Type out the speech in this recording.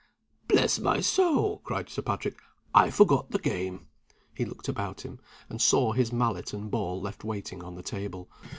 "Bless my soul!" cried Sir Patrick, "I forgot the game." He looked about him, and saw his mallet and ball left waiting on the table.